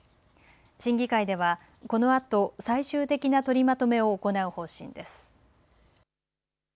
審議会ではこのあと最終的な取りまとめを行う方針です。